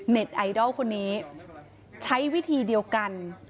ไอดอลคนนี้ใช้วิธีเดียวกัน